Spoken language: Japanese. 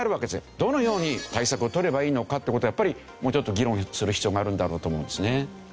どのように対策を取ればいいのかっていう事はやっぱりもうちょっと議論する必要があるんだろうと思うんですね。